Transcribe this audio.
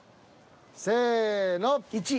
せの。